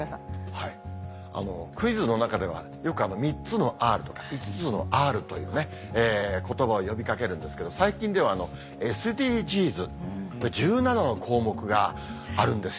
はいクイズの中ではよく「３つのＲ」とか「５つのＲ」という言葉を呼び掛けるんですけど最近ではＳＤＧｓ１７の項目があるんですよね。